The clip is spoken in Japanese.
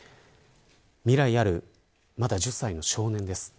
未来あるまだ１０歳の少年です。